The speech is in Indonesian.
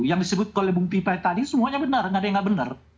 yang disebut oleh bung pipa tadi semuanya benar nggak ada yang nggak benar